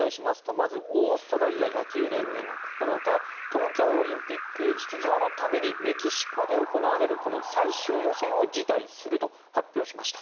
まず、オーストラリア野球連盟は９日、東京オリンピック出場のためにメキシコで行われる最終予選を辞退すると発表しました。